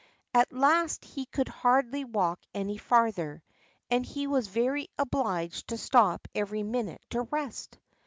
At last he could hardly walk any farther, and he was obliged to stop every minute to rest.